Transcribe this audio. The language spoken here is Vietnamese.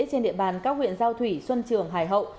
trên địa bàn các huyện giao thủy xuân trường hải hậu